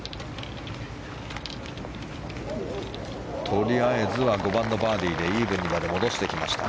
とりあえずは５番のバーディーでイーブンにまで戻してきました。